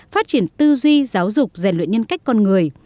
phát triển tư duy giáo dục rèn luyện nhân cách con người